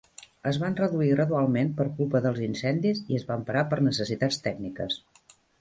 Es van reduir gradualment per culpa dels incendis i es van parar per necessitats tècniques.